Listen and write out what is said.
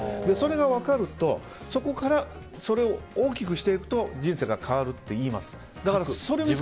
それが分かるとそこからそれを大きくしていくと人生が変わるといいます。